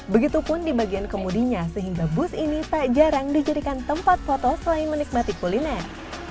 begitupun di bagian kemudinya sehingga bus ini tak jarang dijadikan tempat foto selain menikmati kuliner